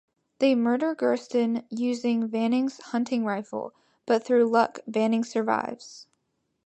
They murder Gurston using Vanning's hunting rifle, but through luck Vanning survives.